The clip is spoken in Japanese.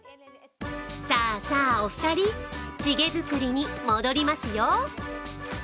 さあさあお二人、チゲ作りに戻りますよ。